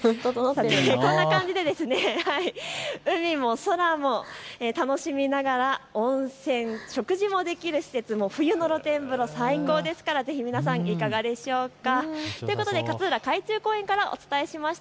こんな感じで海も空も楽しみながら温泉、食事もできる施設、冬の露天風呂、最高ですから、ぜひ皆さんいかがでしょうか。ということで勝浦海中公園からお伝えしました。